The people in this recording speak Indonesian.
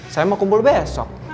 saya mau kumpul besok